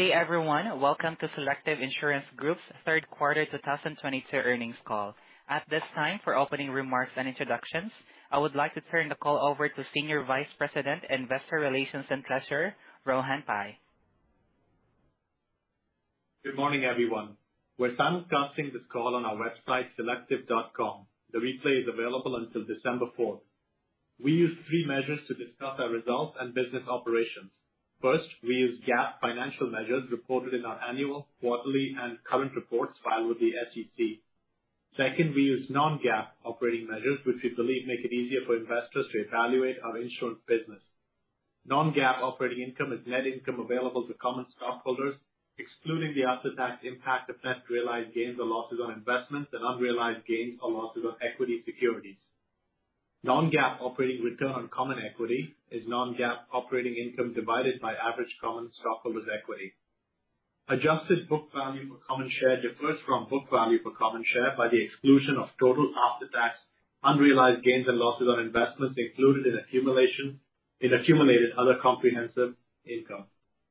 Good day, everyone. Welcome to Selective Insurance Group's Third Quarter 2022 Earnings Call. At this time, for opening remarks and introductions, I would like to turn the call over to Senior Vice President, Investor Relations and Treasurer, Rohan Pai. Good morning, everyone. We're simulcasting this call on our website, selective.com. The replay is available until December fourth. We use three measures to discuss our results and business operations. First, we use GAAP financial measures reported in our annual, quarterly, and current reports filed with the SEC. Second, we use non-GAAP operating measures, which we believe make it easier for investors to evaluate our Insurance business. Non-GAAP operating income is net income available to common stockholders, excluding the after-tax impact of net realized gains or losses on investments and unrealized gains or losses on equity securities. Non-GAAP operating return on common equity is non-GAAP operating income divided by average common stockholders' equity. Adjusted book value per common share differs from book value per common share by the exclusion of total after-tax unrealized gains and losses on investments included in accumulated other comprehensive income.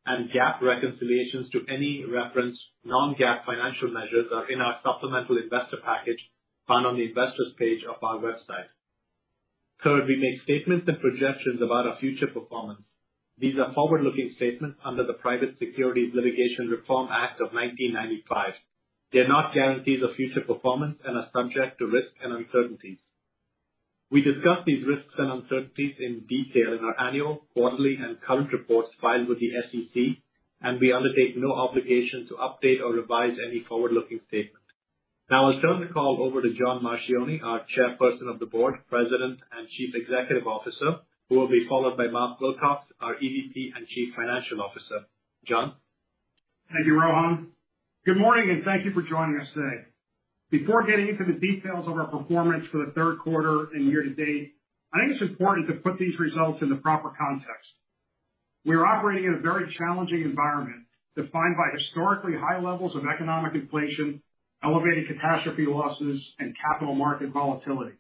GAAP reconciliations to any referenced non-GAAP financial measures are in our supplemental investor package found on the investor's page of our website. Third, we make statements and projections about our future performance. These are forward-looking statements under the Private Securities Litigation Reform Act of 1995. They're not guarantees of future performance and are subject to risks and uncertainties. We discuss these risks and uncertainties in detail in our annual, quarterly, and current reports filed with the SEC, and we undertake no obligation to update or revise any forward-looking statement. Now I'll turn the call over to John Marchioni, our Chairperson of the Board, President, and Chief Executive Officer, who will be followed by Mark Wilcox, our EVP and Chief Financial Officer. John? Thank you, Rohan. Good morning, and thank you for joining us today. Before getting into the details of our performance for the third quarter and year-to-date, I think it's important to put these results in the proper context. We're operating in a very challenging environment defined by historically high levels of economic inflation, elevated catastrophe losses, and capital market volatility.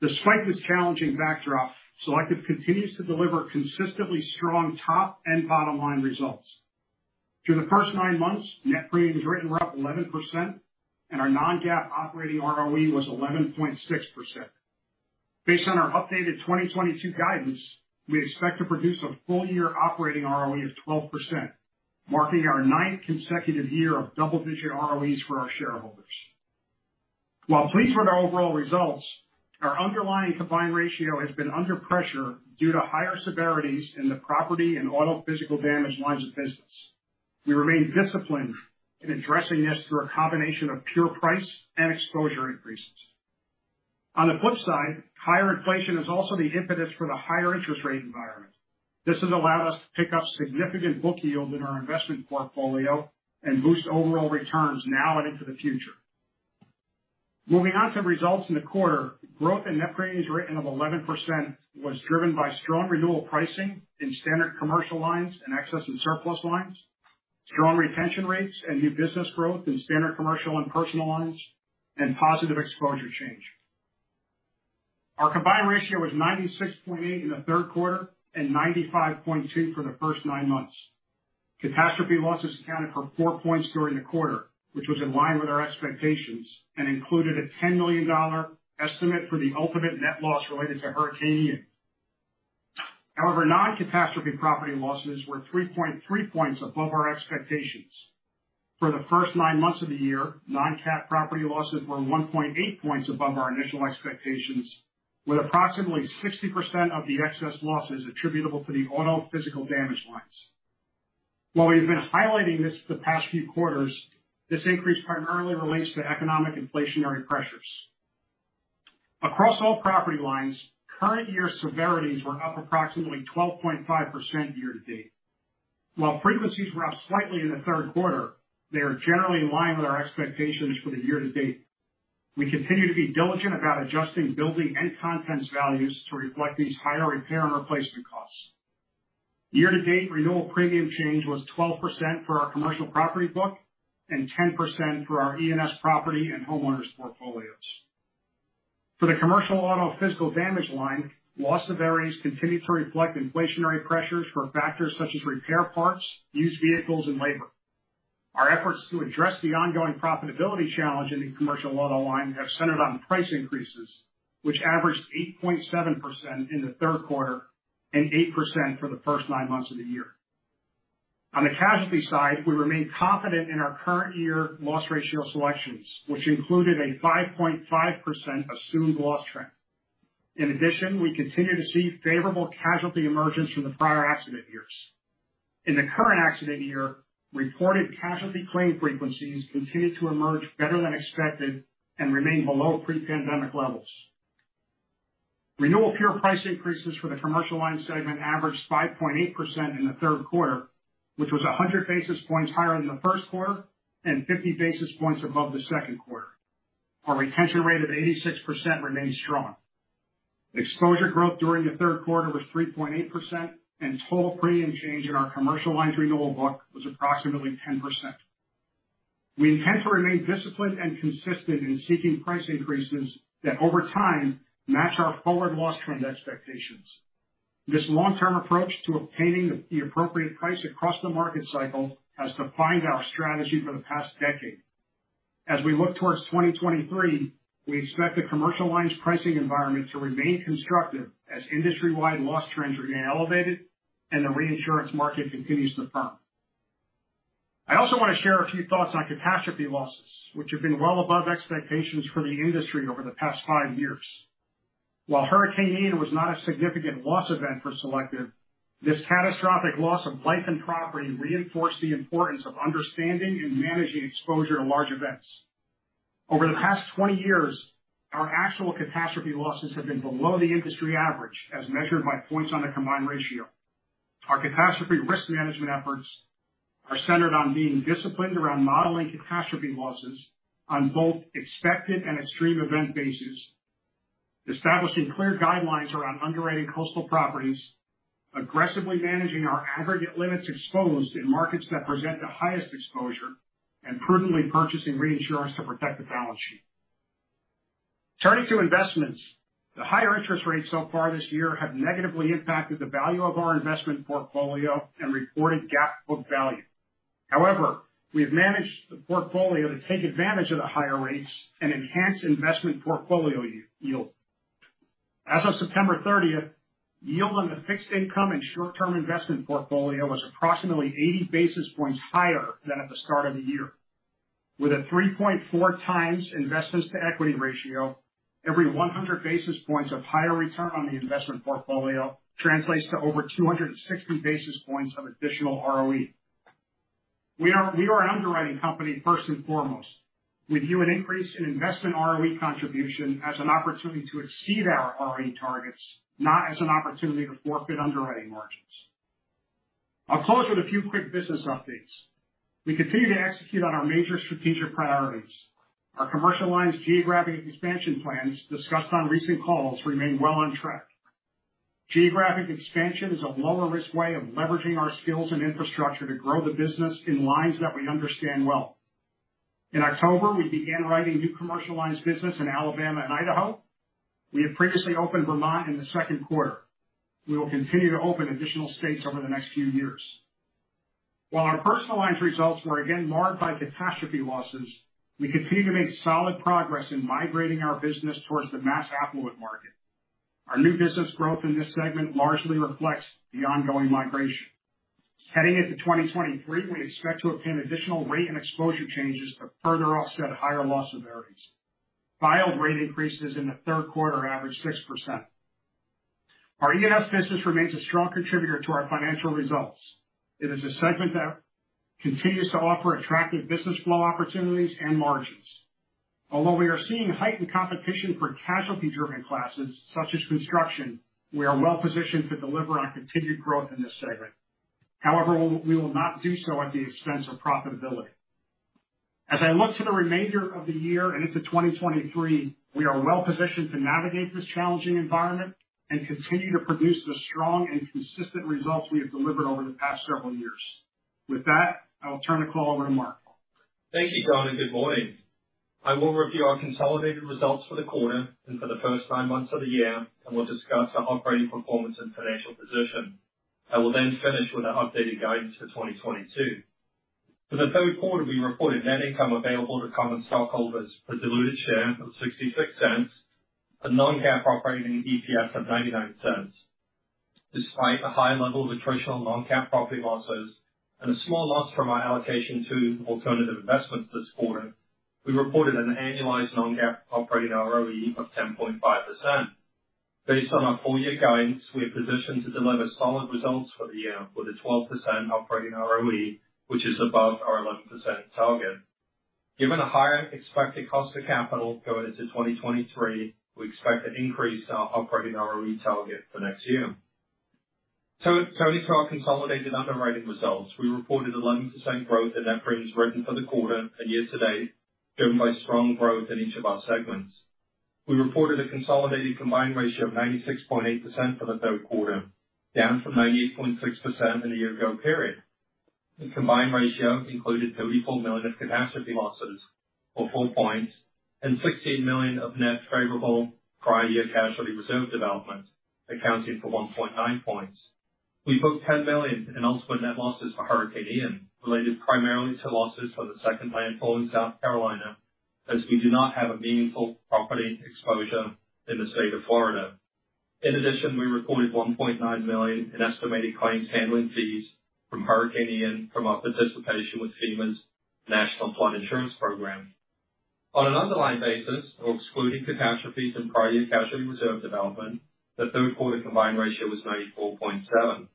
Despite this challenging backdrop, Selective continues to deliver consistently strong top and bottom-line results. Through the first nine months, net premiums written were up 11%, and our non-GAAP operating ROE was 11.6%. Based on our updated 2022 guidance, we expect to produce a full-year operating ROE of 12%, marking our ninth consecutive year of double-digit ROEs for our shareholders. While pleased with our overall results, our underlying combined ratio has been under pressure due to higher severities in the property and auto physical damage lines of business. We remain disciplined in addressing this through a combination of pure price and exposure increases. On the flip side, higher inflation is also the impetus for the higher interest rate environment. This has allowed us to pick up significant book yield in our investment portfolio and boost overall returns now and into the future. Moving on to results in the quarter, growth in net premiums written of 11% was driven by strong renewal pricing in Standard Commercial Lines and Excess and Surplus Lines, strong retention rates and new business growth in Standard Commercial and Personal Lines, and positive exposure change. Our combined ratio was 96.8 in the third quarter and 95.2 for the first nine months. Catastrophe losses accounted for 4 points during the quarter, which was in line with our expectations and included a $10 million estimate for the ultimate net loss related to Hurricane Ian. However, non-catastrophe property losses were 3.3 points above our expectations. For the first nine months of the year, non-cat property losses were 1.8 points above our initial expectations, with approximately 60% of the excess losses attributable to the auto physical damage lines. While we've been highlighting this the past few quarters, this increase primarily relates to economic inflationary pressures. Across all property lines, current year severities were up approximately 12.5% year-to-date. While frequencies were up slightly in the third quarter, they are generally in line with our expectations for the year-to-date. We continue to be diligent about adjusting building and contents values to reflect these higher repair and replacement costs. Year to date, renewal premium change was 12% for our commercial property book and 10% for our E&S property and homeowners portfolios. For the commercial auto physical damage line, loss severities continue to reflect inflationary pressures for factors such as repair parts, used vehicles, and labor. Our efforts to address the ongoing profitability challenge in the commercial auto line have centered on price increases, which averaged 8.7% in the third quarter and 8% for the first nine months of the year. On the casualty side, we remain confident in our current year loss ratio selections, which included a 5.5% assumed loss trend. In addition, we continue to see favorable casualty emergence from the prior accident years. In the current accident year, reported casualty claim frequencies continue to emerge better than expected and remain below pre-pandemic levels. Renewal pure price increases for the Commercial Line segment averaged 5.8% in the third quarter, which was 100 basis points higher than the first quarter and 50 basis points above the second quarter. Our retention rate of 86% remains strong. Exposure growth during the third quarter was 3.8%, and total premium change in our commercial lines renewal book was approximately 10%. We intend to remain disciplined and consistent in seeking price increases that over time match our forward loss trend expectations. This long-term approach to obtaining the appropriate price across the market cycle has defined our strategy for the past decade. As we look towards 2023, we expect the commercial lines pricing environment to remain constructive as industry-wide loss trends remain elevated and the reinsurance market continues to firm. I also want to share a few thoughts on catastrophe losses, which have been well above expectations for the industry over the past five years. While Hurricane Ian was not a significant loss event for Selective, this catastrophic loss of life and property reinforced the importance of understanding and managing exposure to large events. Over the past 20 years, our actual catastrophe losses have been below the industry average as measured by points on the combined ratio. Our catastrophe risk management efforts are centered on being disciplined around modeling catastrophe losses on both expected and extreme event basis, establishing clear guidelines around underwriting coastal properties, aggressively managing our aggregate limits exposed in markets that present the highest exposure, and prudently purchasing reinsurance to protect the balance sheet. Turning to investments. The higher interest rates so far this year have negatively impacted the value of our investment portfolio and reported GAAP book value. However, we have managed the portfolio to take advantage of the higher rates and enhance investment portfolio yield. As of September thirtieth, yield on the fixed income and short-term investment portfolio was approximately 80 basis points higher than at the start of the year. With a 3.4x investments to equity ratio, every 100 basis points of higher return on the investment portfolio translates to over 260 basis points of additional ROE. We are an underwriting company first and foremost. We view an increase in investment ROE contribution as an opportunity to exceed our ROE targets, not as an opportunity to forfeit underwriting margins. I'll close with a few quick business updates. We continue to execute on our major strategic priorities. Our commercial lines geographic expansion plans discussed on recent calls remain well on track. Geographic expansion is a lower risk way of leveraging our skills and infrastructure to grow the business in lines that we understand well. In October, we began writing new commercial lines business in Alabama and Idaho. We had previously opened Vermont in the second quarter. We will continue to open additional states over the next few years. While our personal lines results were again marred by catastrophe losses, we continue to make solid progress in migrating our business towards the mass affluent market. Our new business growth in this segment largely reflects the ongoing migration. Heading into 2023, we expect to obtain additional rate and exposure changes to further offset higher loss severities. Filed rate increases in the third quarter averaged 6%. Our E&S business remains a strong contributor to our financial results. It is a segment that continues to offer attractive business flow opportunities and margins. Although we are seeing heightened competition for casualty-driven classes such as construction, we are well positioned to deliver on continued growth in this segment. However, we will not do so at the expense of profitability. As I look to the remainder of the year and into 2023, we are well positioned to navigate this challenging environment and continue to produce the strong and consistent results we have delivered over the past several years. With that, I'll turn the call over to Mark. Thank you, John, and good morning. I will review our consolidated results for the quarter and for the first nine months of the year, and will discuss our operating performance and financial position. I will then finish with an updated guidance for 2022. For the third quarter, we reported net income available to common stockholders per diluted share of $0.66 and non-GAAP operating EPS of $0.99. Despite the high level of attritional non-GAAP property losses and a small loss from our allocation to alternative investments this quarter, we reported an annualized non-GAAP operating ROE of 10.5%. Based on our full year guidance, we are positioned to deliver solid results for the year with a 12% operating ROE, which is above our 11% target. Given the higher expected cost of capital going into 2023, we expect an increase in our operating ROE target for next year. Turning to our consolidated underwriting results, we reported 11% growth in net premiums written for the quarter and year-to-date, driven by strong growth in each of our segments. We reported a consolidated combined ratio of 96.8% for the third quarter, down from 98.6% in the year ago period. The combined ratio included $34 million of catastrophe losses or 4 points, and $16 million of net favorable prior year casualty reserve development, accounting for 1.9 points. We booked $10 million in ultimate net losses for Hurricane Ian, related primarily to losses for the second landfall in South Carolina, as we do not have a meaningful property exposure in the state of Florida. In addition, we reported $1.9 million in estimated claims handling fees from Hurricane Ian from our participation with FEMA's National Flood Insurance Program. On an underlying basis or excluding catastrophes and prior year casualty reserve development, the third quarter combined ratio was 94.7.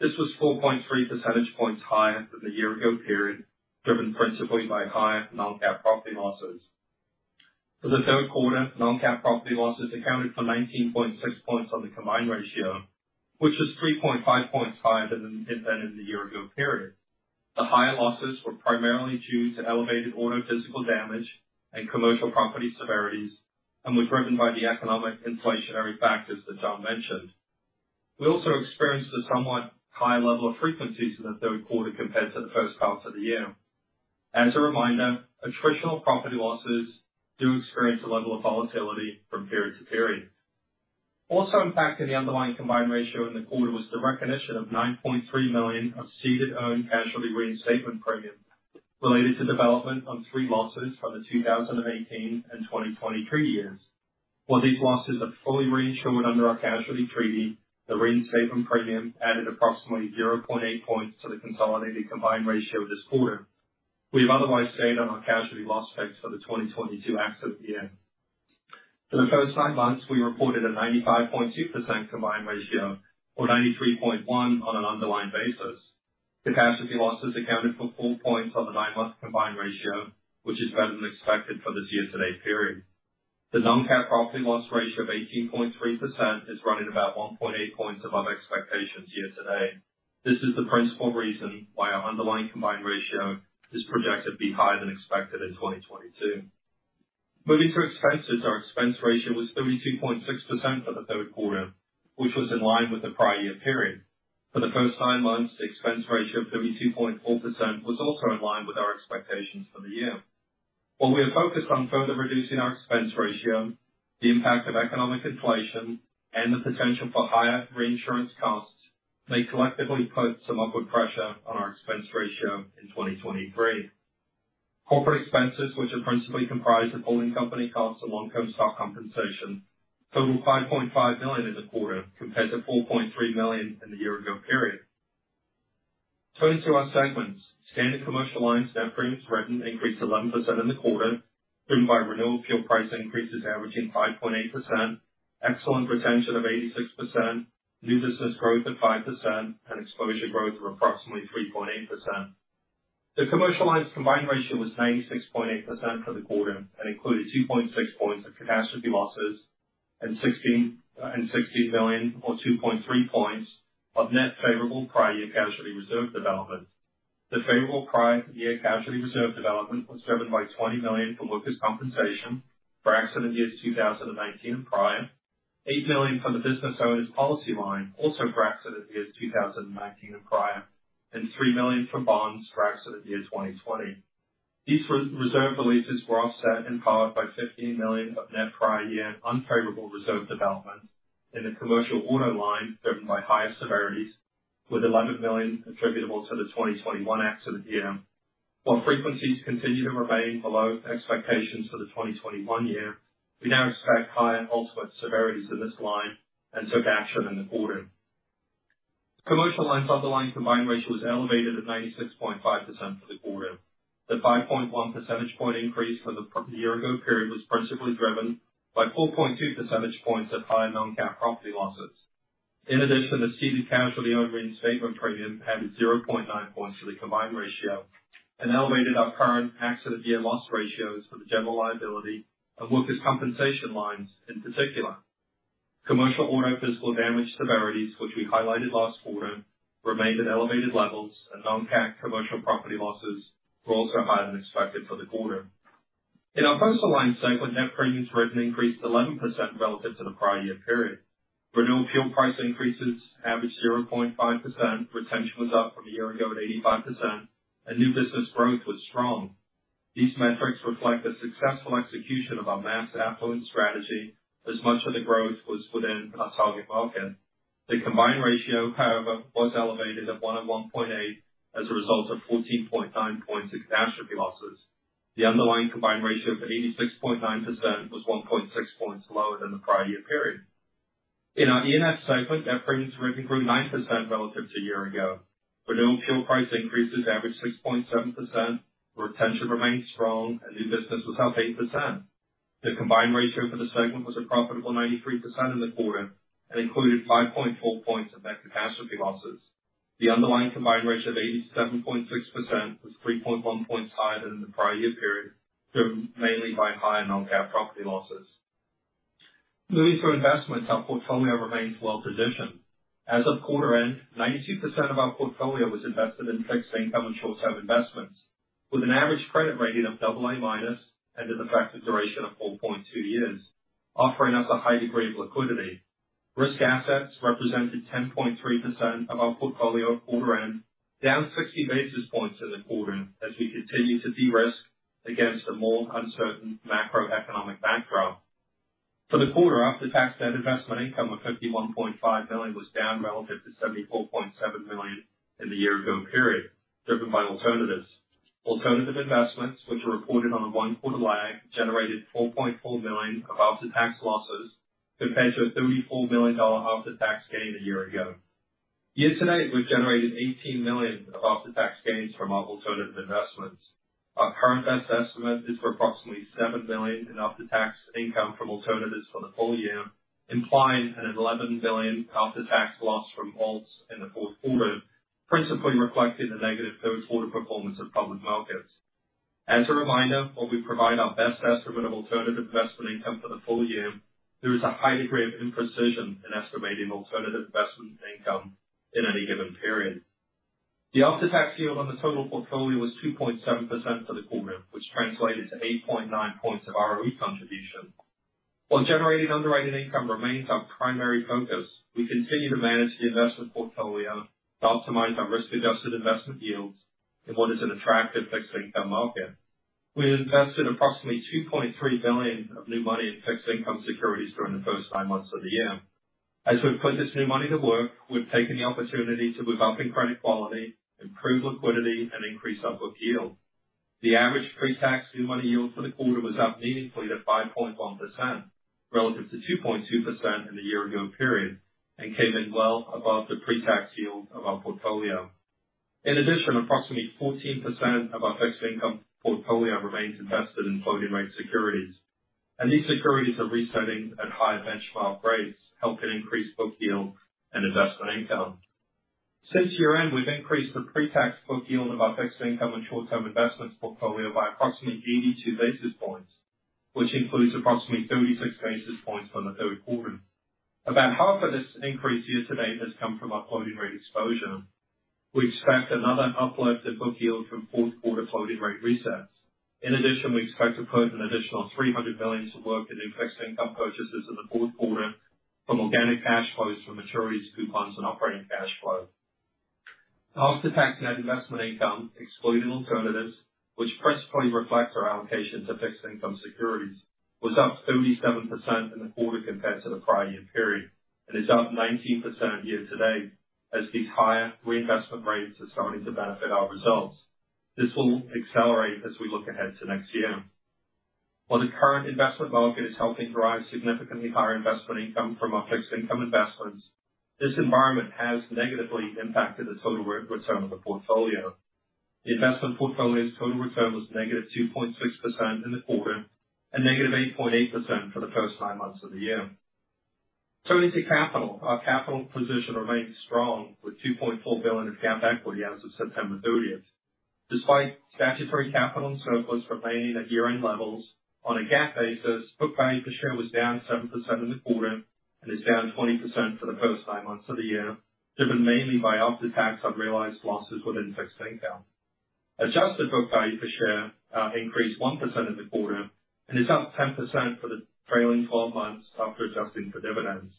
This was 4.3 percentage points higher than the year ago period, driven principally by higher non-GAAP property losses. For the third quarter, non-GAAP property losses accounted for 19.6 points on the combined ratio, which was 3.5 points higher than in the year ago period. The higher losses were primarily due to elevated auto physical damage and commercial property severities, and were driven by the economic inflationary factors that John mentioned. We also experienced a somewhat high level of frequencies for the third quarter compared to the first half of the year. As a reminder, attritional property losses do experience a level of volatility from period to period. Also impacting the underlying combined ratio in the quarter was the recognition of $9.3 million of ceded own casualty reinstatement premium related to development on three losses from the 2018 and 2020 three years. While these losses are fully reinsured under our casualty treaty, the reinstatement premium added approximately 0.8 points to the consolidated combined ratio this quarter. We have otherwise stayed on our casualty loss picks for the 2022 accident year. For the first nine months, we reported a 95.2% combined ratio, or 93.1 on an underlying basis. Catastrophe losses accounted for 4 points on the nine-month combined ratio, which is better than expected for this year-to-date period. The non-CAT property loss ratio of 18.3% is running about 1.8 points above expectations year-to-date. This is the principal reason why our underlying combined ratio is projected to be higher than expected in 2022. Moving to expenses, our expense ratio was 32.6% for the third quarter, which was in line with the prior year period. For the first nine months, the expense ratio of 32.4% was also in line with our expectations for the year. While we are focused on further reducing our expense ratio, the impact of economic inflation and the potential for higher reinsurance costs may collectively put some upward pressure on our expense ratio in 2023. Corporate expenses, which are principally comprised of holding company costs and long-term stock compensation, totaled $5.5 million in the quarter compared to $4.3 million in the year ago period. Turning to our segments, Standard Commercial Lines net premiums written increased 11% in the quarter, driven by renewal pure price increases averaging 5.8%, excellent retention of 86%, new business growth of 5%, and exposure growth of approximately 3.8%. The commercial lines combined ratio was 96.8% for the quarter and included 2.6 points of catastrophe losses and $16 million or 2.3 points of net favorable prior year casualty reserve development. The favorable prior year casualty reserve development was driven by $20 million from Workers' Compensation for accident years 2019 and prior, $8 million from the Businessowners Policy line, also for accident years 2019 and prior, and $3 million from bonds for accident year 2020. These reserve releases were offset in part by $15 million of net prior year unfavorable reserve development in the commercial auto line, driven by higher severities, with $11 million attributable to the 2021 accident year. While frequencies continue to remain below expectations for the 2021 year, we now expect higher ultimate severities in this line and took action in the quarter. Commercial lines underlying combined ratio was elevated at 96.5% for the quarter. The 5.1 percentage point increase for the prior-year period was principally driven by 4.2 percentage points of higher non-CAT property losses. In addition, the ceded casualty and workers' reinstatement premium added 0.9 points to the combined ratio and elevated our current accident year loss ratios for the General Liability and Workers' Compensation lines in particular. Commercial Auto physical damage severities, which we highlighted last quarter, remained at elevated levels, and non-CAT Commercial Property losses were also higher than expected for the quarter. In our Personal Lines segment, net premiums written increased 11% relative to the prior year period. Renewal pure-price increases averaged 0.5%. Retention was up from a year ago at 85%, and new business growth was strong. These metrics reflect the successful execution of our mass affluent strategy as much of the growth was within our target market. The combined ratio, however, was elevated at 101.8 as a result of 14.9 points of catastrophe losses. The underlying combined ratio of 86.9% was 1.6 points lower than the prior year period. In our E&S segment, net premiums written grew 9% relative to a year ago. Renewal pure price increases averaged 6.7%. Retention remained strong, and new business was up 8%. The combined ratio for the segment was a profitable 93% in the quarter and included 5.4 points of net catastrophe losses. The underlying combined ratio of 87.6% was 3.1 points higher than the prior year period, driven mainly by higher non-CAT property losses. Moving to investments, our portfolio remains well-positioned. As of quarter end, 92% of our portfolio was invested in fixed income and short-term investments with an average credit rating of AA- and an effective duration of 4.2 years, offering us a high degree of liquidity. Risk assets represented 10.3% of our portfolio at quarter end, down 60 basis points in the quarter as we continue to de-risk against a more uncertain macroeconomic backdrop. For the quarter, after-tax net investment income of $51.5 million was down relative to $74.7 million in the year ago period, driven by alternatives. Alternative investments, which are reported on a one-quarter lag, generated $4.4 million of after-tax losses compared to a $34 million after-tax gain a year ago. Year to date, we've generated $18 million of after-tax gains from our alternative investments. Our current best estimate is for approximately $7 million in after-tax income from alternatives for the full year, implying an $11 billion after-tax loss from alts in the fourth quarter, principally reflecting the negative third quarter performance of public markets. As a reminder, while we provide our best estimate of alternative investment income for the full year, there is a high degree of imprecision in estimating alternative investment income in any given period. The after-tax yield on the total portfolio was 2.7% for the quarter, which translated to 8.9 points of ROE contribution. While generating underwriting income remains our primary focus, we continue to manage the investment portfolio to optimize our risk-adjusted investment yields in what is an attractive fixed income market. We invested approximately $2.3 billion of new money in fixed income securities during the first nine months of the year. As we put this new money to work, we've taken the opportunity to move up in credit quality, improve liquidity, and increase our book yield. The average pre-tax new money yield for the quarter was up meaningfully to 5.1% relative to 2.2% in the year ago period and came in well above the pre-tax yield of our portfolio. In addition, approximately 14% of our fixed income portfolio remains invested in floating rate securities, and these securities are resetting at higher benchmark rates, helping increase book yield and investment income. Since year-end, we've increased the pre-tax book yield of our fixed income and short-term investments portfolio by approximately 82 basis points, which includes approximately 36 basis points from the third quarter. About half of this increase year-to-date has come from our floating rate exposure. We expect another uplift in book yield from fourth quarter floating rate resets. In addition, we expect to put an additional $300 million to work in new fixed income purchases in the fourth quarter from organic cash flows from maturities, coupons, and operating cash flow. After-tax net investment income, excluding alternatives, which principally reflects our allocation to fixed income securities, was up 37% in the quarter compared to the prior year period, and is up 19% year-to-date as these higher reinvestment rates are starting to benefit our results. This will accelerate as we look ahead to next year. While the current investment market is helping drive significantly higher investment income from our fixed income investments, this environment has negatively impacted the total return of the portfolio. The investment portfolio's total return was -2.6% in the quarter and -8.8% for the first nine months of the year. Turning to capital. Our capital position remains strong with $2.4 billion of shareholders' equity as of September 30. Despite statutory capital and surplus remaining at year-end levels, on a GAAP basis, book value per share was down 7% in the quarter and is down 20% for the first nine months of the year, driven mainly by after-tax unrealized losses within fixed income. Adjusted book value per share increased 1% in the quarter and is up 10% for the trailing twelve months after adjusting for dividends.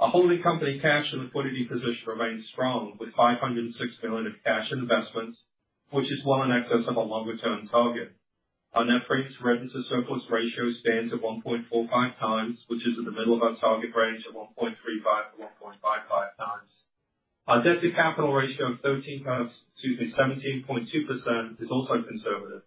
Our holding company cash and liquidity position remains strong with $506 million of cash and investments, which is well in excess of our longer term target. Our net premium surplus ratio stands at 1.45 times, which is in the middle of our target range of 1.35-1.55 times. Our debt to capital ratio of 17.2% is also conservative.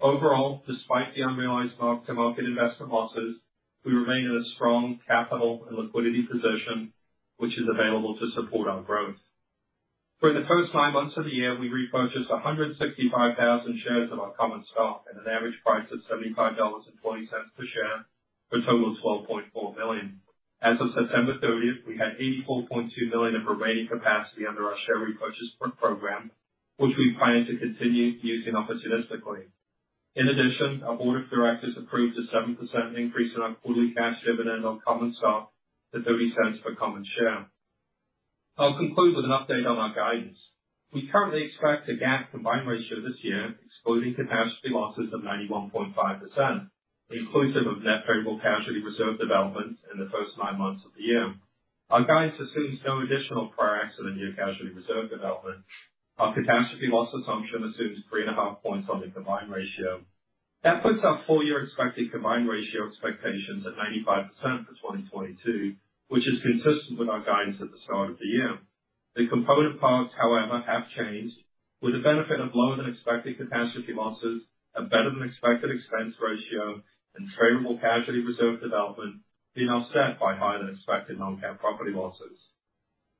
Overall, despite the unrealized mark-to-market investment losses, we remain in a strong capital and liquidity position, which is available to support our growth. For the first nine months of the year, we repurchased 165,000 shares of our common stock at an average price of $75.20 per share, for a total of $12.4 million. As of September thirtieth, we had $84.2 million of remaining capacity under our share repurchase program, which we plan to continue using opportunistically. In addition, our board of directors approved a 7% increase in our quarterly cash dividend on common stock to $0.30 per common share. I'll conclude with an update on our guidance. We currently expect a GAAP combined ratio this year excluding catastrophe losses of 91.5%, inclusive of net favorable casualty reserve developments in the first nine months of the year. Our guidance assumes no additional prior accident year casualty reserve development. Our catastrophe loss assumption assumes 3.5 points on the combined ratio. That puts our full year expected combined ratio expectations at 95% for 2022, which is consistent with our guidance at the start of the year. The component parts, however, have changed, with the benefit of lower than expected catastrophe losses and better than expected expense ratio and favorable casualty reserve development being offset by higher than expected non-cat property losses.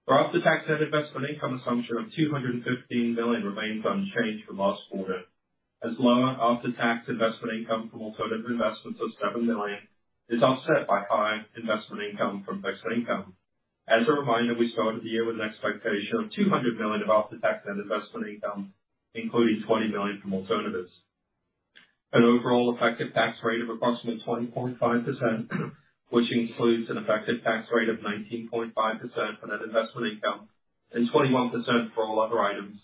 Our after-tax net investment income assumption of $215 million remains unchanged from last quarter as lower after-tax investment income from alternative investments of $7 million is offset by higher investment income from fixed income. As a reminder, we started the year with an expectation of $200 million of after-tax net investment income, including $20 million from alternatives. An overall effective tax rate of approximately 20.5%, which includes an effective tax rate of 19.5% on net investment income and 21% for all other items,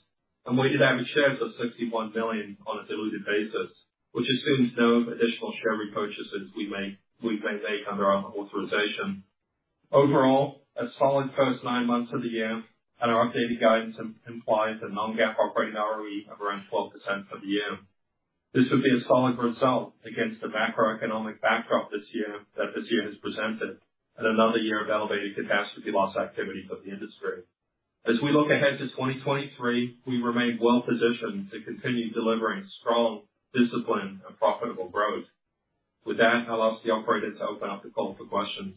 and weighted average shares of 61 million on a diluted basis, which assumes no additional share repurchases we may make under our authorization. Overall, a solid first nine months of the year, and our updated guidance implies a non-GAAP operating ROE of around 12% for the year. This would be a solid result against the macroeconomic backdrop this year, that this year has presented, and another year of elevated catastrophe loss activity for the industry. As we look ahead to 2023, we remain well positioned to continue delivering strong discipline and profitable growth. With that, I'll ask the operator to open up the call for questions.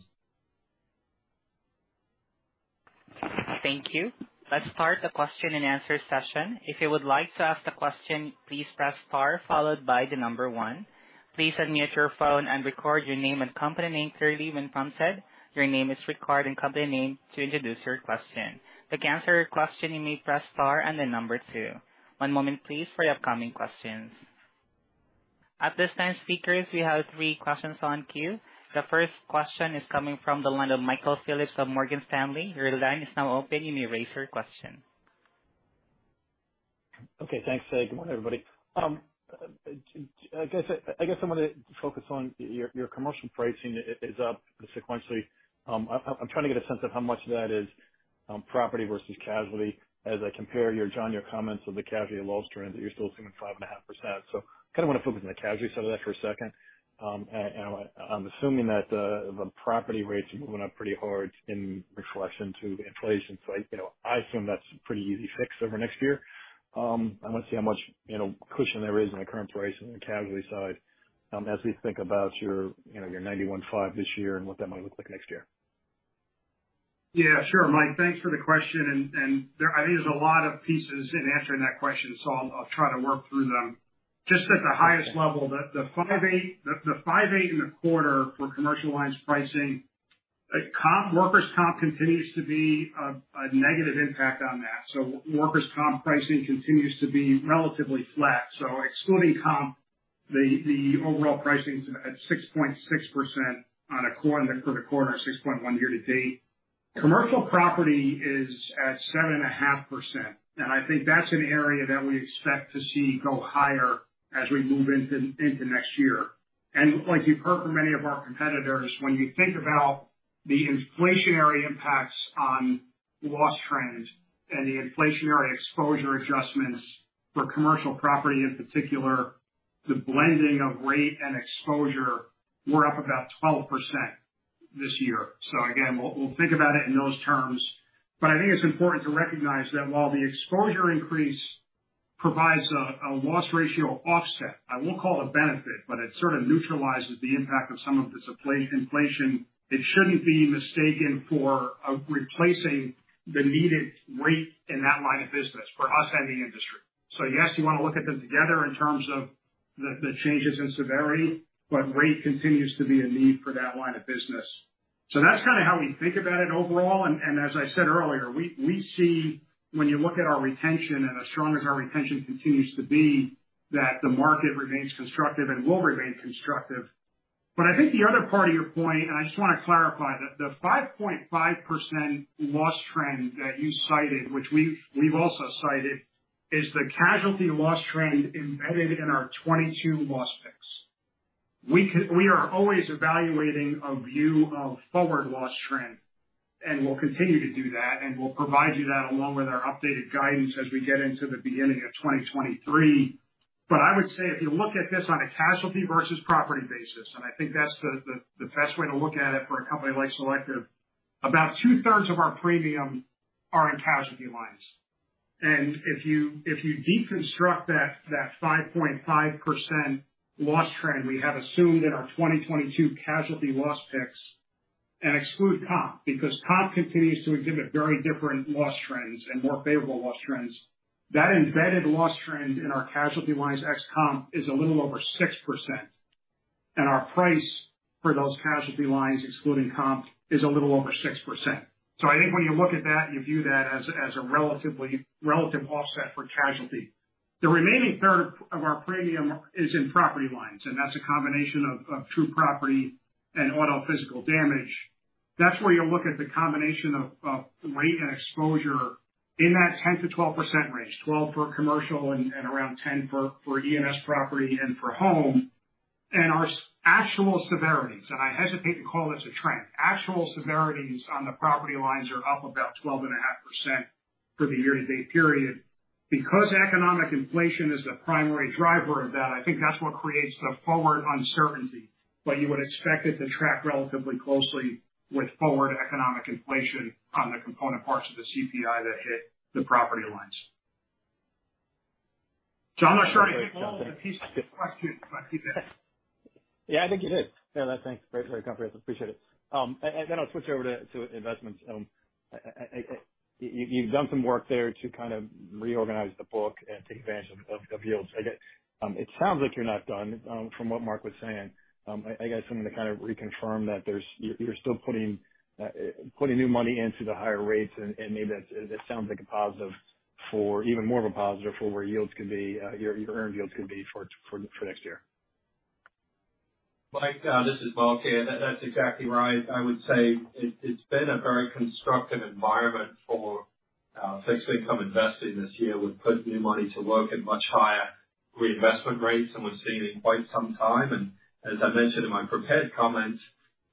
Thank you. Let's start the question and answer session. If you would like to ask the question, please press star followed by the number one. Please unmute your phone and record your name and company name clearly when prompted. Your name is recorded and company name to introduce your question. To cancel your question, you may press star and then number two. One moment please for the upcoming questions. At this time, speakers, we have three questions in queue. The first question is coming from the line of Michael Phillips of Morgan Stanley. Your line is now open. You may raise your question. Okay, thanks, Hey, Good morning, everybody. I guess I'm gonna focus on your commercial pricing is up sequentially. I'm trying to get a sense of how much of that is property versus casualty as I compare, John, your comments of the casualty loss trends that you're still seeing 5.5%. Kind of want to focus on the casualty side of that for a second. I'm assuming that the property rates are moving up pretty hard reflecting the inflation. You know, I assume that's a pretty easy fix over next year. I want to see how much, you know, cushion there is in the current pricing on the casualty side, as we think about your, you know, your 91.5% this year and what that might look like next year? Yeah, sure, Mike. Thanks for the question. I think there's a lot of pieces in answering that question, so I'll try to work through them. Just at the highest level, the 5.8 in the quarter for commercial lines pricing, workers' comp continues to be a negative impact on that. Workers' comp pricing continues to be relatively flat. Excluding comp, the overall pricing's at 6.6% for the quarter, 6.1% year-to-date. Commercial property is at 7.5%, and I think that's an area that we expect to see go higher as we move into next year. Like you've heard from many of our competitors, when you think about the inflationary impacts on loss trends and the inflationary exposure adjustments for commercial property in particular, the blending of rate and exposure were up about 12% this year. Again, we'll think about it in those terms. I think it's important to recognize that while the exposure increase provides a loss ratio offset, I won't call it a benefit, but it sort of neutralizes the impact of some of this inflation. It shouldn't be mistaken for replacing the needed rate in that line of business for us and the industry. Yes, you want to look at them together in terms of the changes in severity, but rate continues to be a need for that line of business. That's kind of how we think about it overall. As I said earlier, we see when you look at our retention and as strong as our retention continues to be, that the market remains constructive and will remain constructive. But I think the other part of your point, and I just want to clarify, the 5.5% loss trend that you cited, which we've also cited, is the casualty loss trend embedded in our 2022 loss picks. We are always evaluating a view of forward loss trend, and we'll continue to do that. We'll provide you that along with our updated guidance as we get into the beginning of 2023. I would say if you look at this on a casualty versus property basis, I think that's the best way to look at it for a company like Selective, about two-thirds of our premium are in casualty lines. If you deconstruct that 5.5% loss trend we have assumed in our 2022 casualty loss picks and exclude comp, because comp continues to exhibit very different loss trends and more favorable loss trends, that embedded loss trend in our casualty lines ex comp is a little over 6%. Our price for those casualty lines, excluding comp, is a little over 6%. I think when you look at that, you view that as a relatively relative offset for casualty. The remaining third of our premium is in property lines, and that's a combination of true property and auto physical damage. That's where you look at the combination of rate and exposure in that 10%-12% range, 12% for commercial and around 10% for E&S property and for home. Our actual severities, and I hesitate to call this a trend, actual severities on the property lines are up about 12.5% for the year-to-date period. Because economic inflation is the primary driver of that, I think that's what creates the forward uncertainty. You would expect it to track relatively closely with forward economic inflation on the component parts of the CPI that hit the property lines. John, I'm not sure I hit all the pieces of the question, but I think I- Yeah, I think you did. Yeah, thanks. Great comprehensive. Appreciate it. I'll switch over to investments. You've done some work there to kind of reorganize the book and take advantage of yields. I get. It sounds like you're not done from what Mark was saying. I guess I'm gonna kind of reconfirm that you're still putting new money into the higher rates and maybe that sounds like a positive for even more of a positive for where yields could be, your earned yields could be for next year? Mike, this is Mark here. That's exactly right. I would say it's been a very constructive environment for fixed income investing this year. We've put new money to work at much higher reinvestment rates than we've seen in quite some time. As I mentioned in my prepared comments,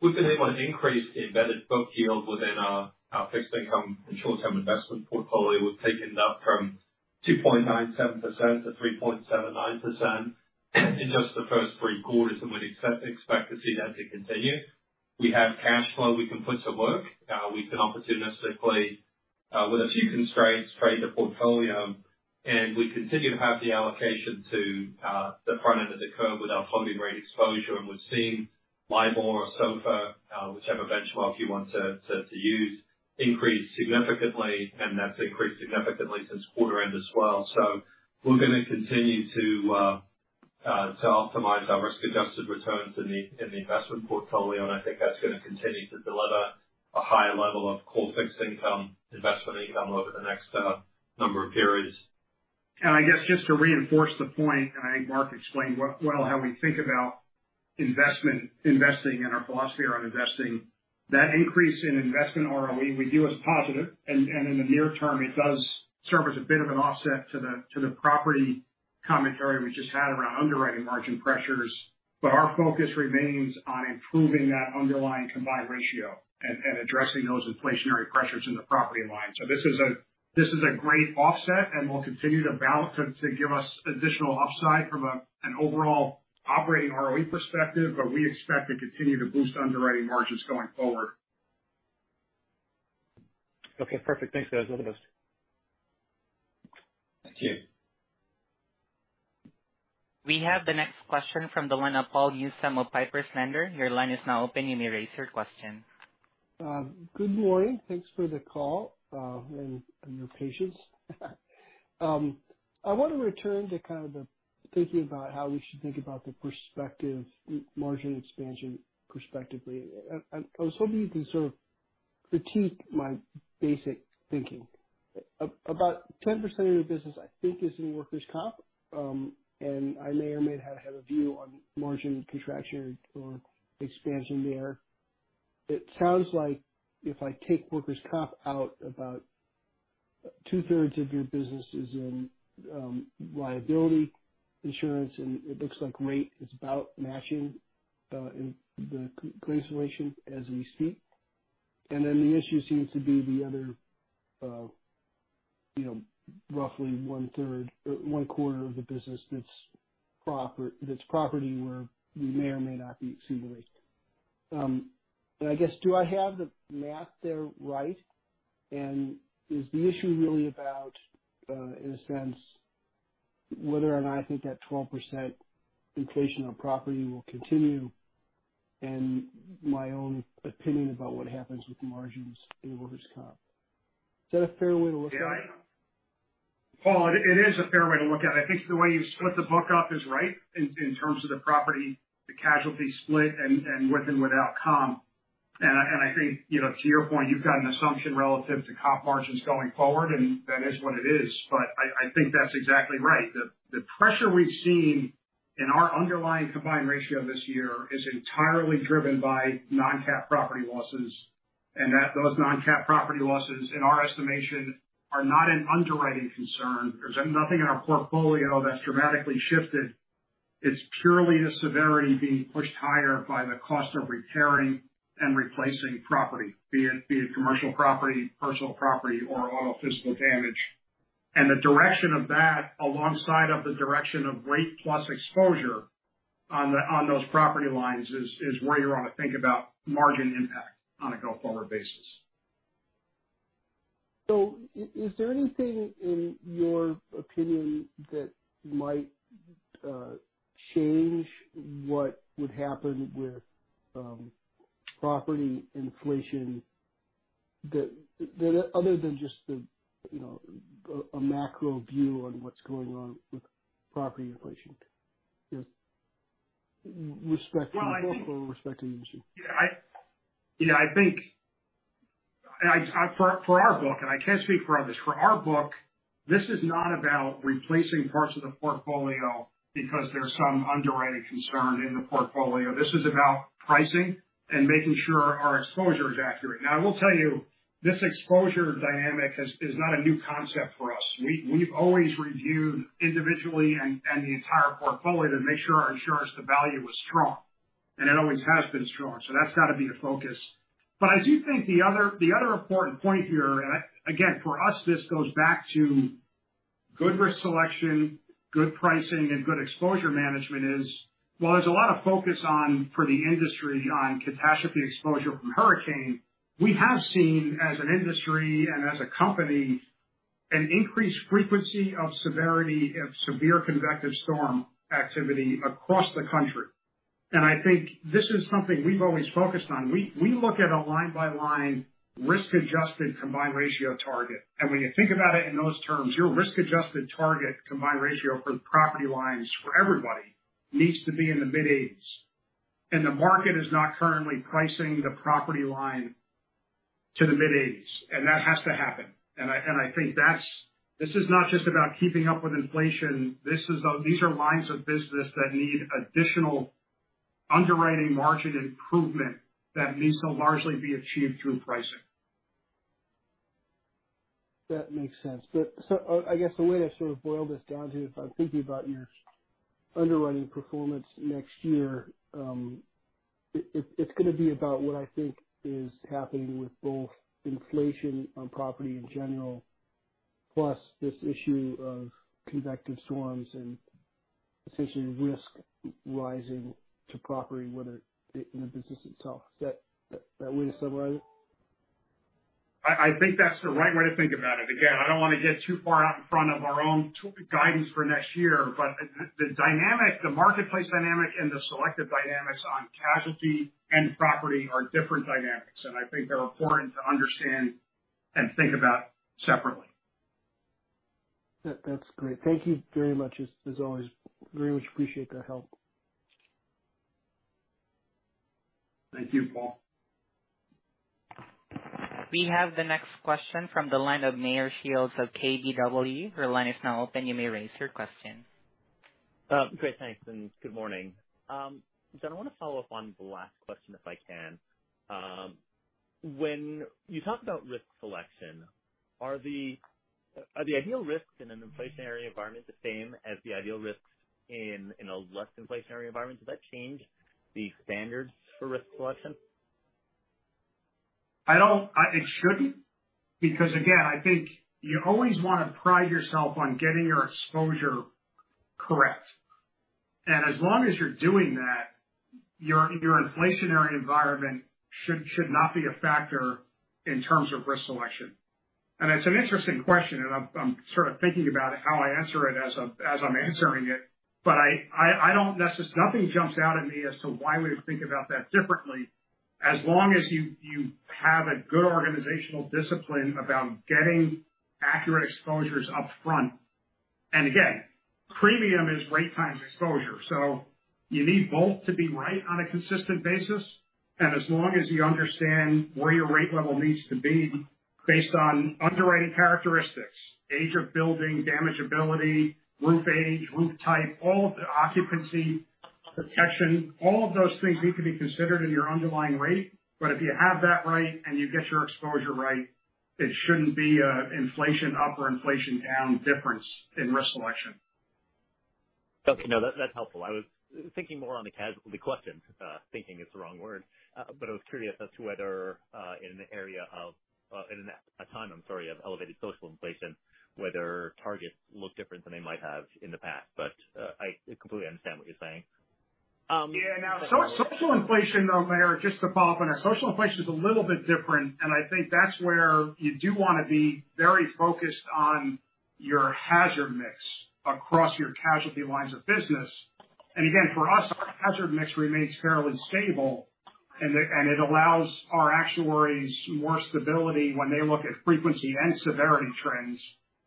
we've been able to increase the embedded book yield within our fixed income and short-term investment portfolio. We've taken it up from 2.97%-3.79% in just the first three quarters, and we'd expect to see that continue. We have cash flow we can put to work. We've been opportunistically, with a few constraints, trading the portfolio, and we continue to have the allocation to the front end of the curve with our floating rate exposure. We've seen LIBOR or SOFR, whichever benchmark you want to use, increase significantly, and that's increased significantly since quarter end as well. We're going to continue to optimize our risk-adjusted returns in the investment portfolio, and I think that's going to continue to deliver a high level of core fixed income investment income over the next number of periods. I guess just to reinforce the point, and I think Mark explained well how we think about investment, investing and our philosophy around investing. That increase in investment ROE we view as positive. In the near term, it does serve as a bit of an offset to the property commentary we just had around underwriting margin pressures. Our focus remains on improving that underlying combined ratio and addressing those inflationary pressures in the property line. This is a great offset, and we'll continue to balance to give us additional upside from an overall operating ROE perspective, but we expect to continue to boost underwriting margins going forward. Okay, perfect. Thanks, guys. All the best. Thank you. We have the next question from the line of Paul Newsome of Piper Sandler. Your line is now open. You may raise your question. Good morning. Thanks for the call and your patience. I want to return to kind of the thinking about how we should think about the prospective margin expansion prospectively. I was hoping you can sort of critique my basic thinking. About 10% of your business, I think, is in workers' comp, and I may or may not have a view on margin contraction or expansion there. It sounds like if I take workers' comp out, about two-thirds of your business is in liability insurance, and it looks like rate is about matching in the current situation as we speak. Then the issue seems to be the other, you know, roughly one-third or one-quarter of the business that's property, where we may or may not be seeing the rate. I guess, do I have the math there, right? Is the issue really about, in a sense, whether or not I think that 12% inflation on property will continue and my own opinion about what happens with margins in workers' comp? Is that a fair way to look at it? Yeah. Paul, it is a fair way to look at it. I think the way you split the book up is right in terms of the property, the casualty split and with and without comp. I think, you know, to your point, you've got an assumption relative to comp margins going forward, and that is what it is. I think that's exactly right. The pressure we've seen in our underlying combined ratio this year is entirely driven by non-cat property losses, and those non-cat property losses, in our estimation, are not an underwriting concern. There's nothing in our portfolio that's dramatically shifted. It's purely the severity being pushed higher by the cost of repairing and replacing property, be it commercial property, personal property, or auto physical damage. The direction of that, alongside of the direction of rate plus exposure on those property lines is where you want to think about margin impact on a go-forward basis. Is there anything in your opinion that might change what would happen with property inflation that other than just the, you know, a macro view on what's going on with property inflation? Just respect to your book or respect to the industry? Yeah. You know, I think. I for our book, and I can't speak for others. For our book, this is not about replacing parts of the portfolio because there's some underwriting concern in the portfolio. This is about pricing and making sure our exposure is accurate. Now, I will tell you this exposure dynamic is not a new concept for us. We've always reviewed individually and the entire portfolio to make sure our insurance to value is strong, and it always has been strong. That's got to be a focus. I do think the other important point here, and again, for us, this goes back to good risk selection, good pricing, and good exposure management is, while there's a lot of focus on, for the industry, on catastrophe exposure from hurricane, we have seen, as an industry and as a company, an increased frequency and severity of severe convective storm activity across the country. I think this is something we've always focused on. We look at a line-by-line risk-adjusted combined ratio target. When you think about it in those terms, your risk-adjusted target combined ratio for property lines for everybody needs to be in the mid-80s. The market is not currently pricing the property line to the mid-80s. That has to happen. I think that's. This is not just about keeping up with inflation. These are lines of business that need additional underwriting margin improvement that needs to largely be achieved through pricing. That makes sense. I guess the way to sort of boil this down to, if I'm thinking about your underwriting performance next year, it's gonna be about what I think is happening with both inflation on property in general, plus this issue of convective storms and essentially risk rising to property, whether in the business itself. Is that the way to summarize it? I think that's the right way to think about it. Again, I don't want to get too far out in front of our own guidance for next year, but the dynamic, the marketplace dynamic and the Selective dynamics on casualty and property are different dynamics, and I think they're important to understand and think about separately. That's great. Thank you very much. As always, very much appreciate the help. Thank you, Paul. We have the next question from the line of Meyer Shields of KBW. Your line is now open. You may raise your question. Great, thanks, and good morning. I wanna follow up on the last question, if I can. When you talk about risk selection, are the ideal risks in an inflationary environment the same as the ideal risks in a less inflationary environment? Does that change the standards for risk selection? It shouldn't, because again, I think you always wanna pride yourself on getting your exposure correct. As long as you're doing that, your inflationary environment should not be a factor in terms of risk selection. It's an interesting question, and I'm sort of thinking about how I answer it as I'm answering it, but nothing jumps out at me as to why we would think about that differently as long as you have a good organizational discipline about getting accurate exposures up front. Again, premium is rate times exposure, so you need both to be right on a consistent basis. As long as you understand where your rate level needs to be based on underwriting characteristics, age of building, damageability, roof age, roof type, all of the occupancy protection, all of those things need to be considered in your underlying rate. If you have that right, and you get your exposure right, it shouldn't be an inflation up or inflation down difference in risk selection. Okay. No, that's helpful. I was thinking more on the question. Thinking it's the wrong word. I was curious as to whether, in a time, I'm sorry, of elevated social inflation, whether targets look different than they might have in the past. I completely understand what you're saying? Yeah. Now, social inflation though, Meyer, just to follow up on that. Social inflation is a little bit different, and I think that's where you do wanna be very focused on your hazard mix across your casualty lines of business. Again, for us, our hazard mix remains fairly stable, and it allows our actuaries more stability when they look at frequency and severity trends,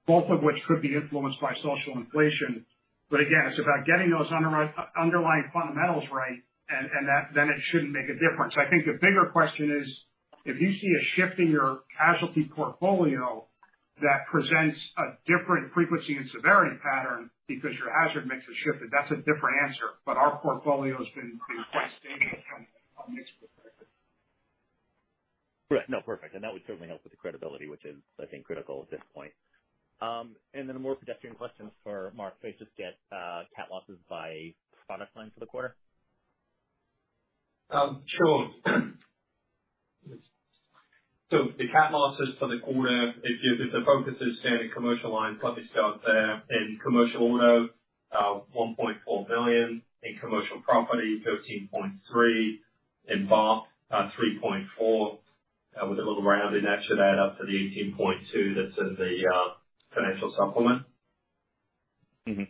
both of which could be influenced by social inflation. Again, it's about getting those underlying fundamentals right and that then it shouldn't make a difference. I think the bigger question is, if you see a shift in your casualty portfolio that presents a different frequency and severity pattern because your hazard mix has shifted, that's a different answer. Our portfolio's been quite stable in terms of our mix with that. Right. No, perfect. That would certainly help with the credibility, which is, I think, critical at this point. Then a more pedestrian question for Mark. Could I just get CAT losses by product line for the quarter? The CAT losses for the quarter, if the focus is Standard Commercial Lines, let me start there. In commercial auto, $1.4 million. In Commercial Property, $13.3 million. In BOP, $3.4 million. With a little rounding, that should add up to the $18.2 million that's in the financial supplement. Mm-hmm.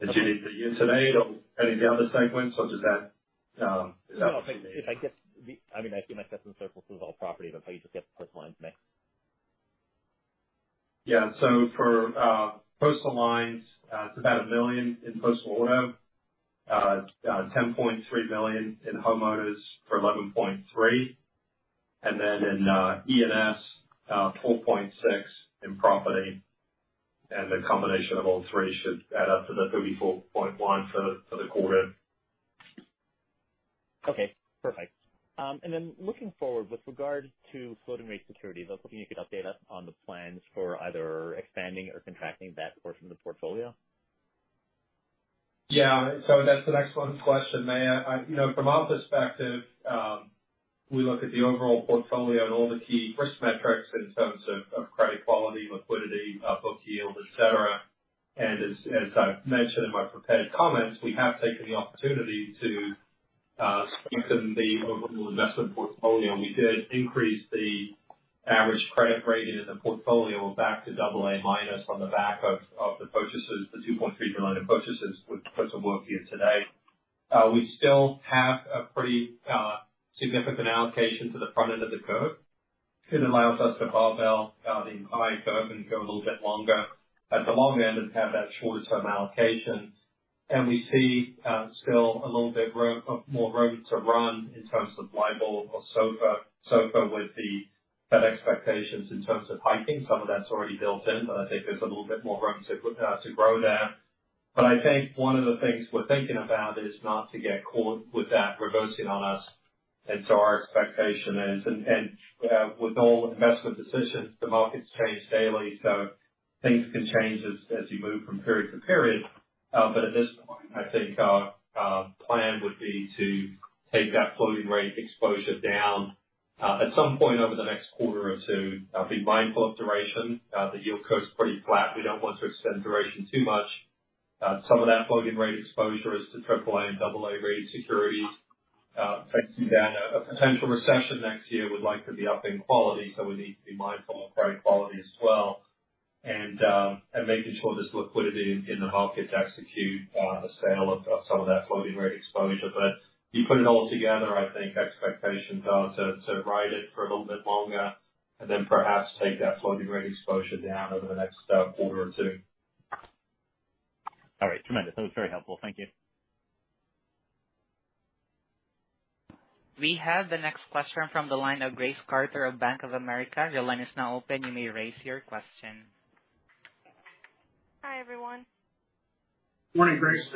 Did you need the year-to-date or any of the other segments, or just that? No, I guess. I mean, I see my custom circles is all property, but how you just get the personal lines mix. Yeah. For personal lines, it's about $1 million in personal auto, $10.3 million. In homeowners, for $11.3 million. In E&S, $4.6 million in property. The combination of all three should add up to the $34.1 million for the quarter. Okay, perfect. Looking forward with regard to floating rate securities, I was hoping you could update us on the plans for either expanding or contracting that portion of the portfolio? Yeah. That's an excellent question, Meyer. You know, from our perspective, we look at the overall portfolio and all the key risk metrics in terms of of credit quality, liquidity, book yield, et cetera. As I've mentioned in my prepared comments, we have taken the opportunity to strengthen the overall investment portfolio. We did increase the average credit rating in the portfolio back to AA- from the back of the purchases, the $2.3 billion in purchases, with the press release we'll give today. We still have a pretty significant allocation to the front end of the curve. It allows us to barbell the entire curve and go a little bit longer at the long end and have that shorter term allocation. We see still a little bit room more room to run in terms of LIBOR or SOFR. SOFR with the Fed expectations in terms of hiking. Some of that's already built in, but I think there's a little bit more room to grow there. But I think one of the things we're thinking about is not to get caught with that reversing on us. Our expectation is, and with all investment decisions, the markets change daily, so things can change as you move from period to period. But at this point, I think our plan would be to take that floating rate exposure down at some point over the next quarter or two. Be mindful of duration. The yield curve's pretty flat. We don't want to extend duration too much. Some of that floating rate exposure is to triple-A and double-A-rated securities. Thanks to that, a potential recession next year would likely be upping quality, so we need to be mindful of credit quality as well. Making sure there's liquidity in the market to execute the sale of some of that floating rate exposure. You put it all together, I think expectations are to ride it for a little bit longer and then perhaps take that floating rate exposure down over the next quarter or two. All right. Tremendous. That was very helpful. Thank you. We have the next question from the line of Grace Carter of Bank of America. Your line is now open. You may raise your question. Hi, everyone. Morning, Grace.